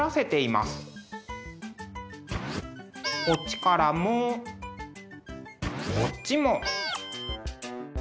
こっちからもこっちも。